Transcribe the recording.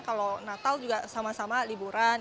kalau natal juga sama sama liburan